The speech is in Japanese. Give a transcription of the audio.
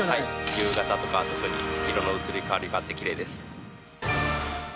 夕方とかは特に色の移り変わりがあってきれいです。